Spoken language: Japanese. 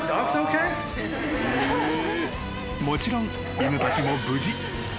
［もちろん犬たちも無事。